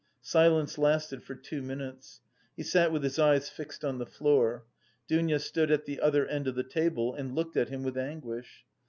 Silence lasted for two minutes. He sat with his eyes fixed on the floor; Dounia stood at the other end of the table and looked at him with anguish.